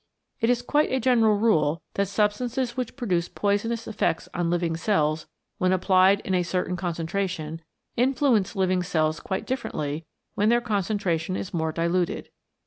^ It is quite a general rule that substances which produce poisonous effects on living cells when applied in a certain concentration, influence living cells quite differently when their concentration is more diluted.